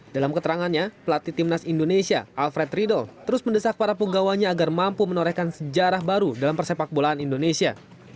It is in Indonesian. dalam keterangannya pelatih timnas indonesia alfred riedel terus mendesak para pegawainya agar mampu menorehkan sejarah baru dalam persepak bolaan indonesia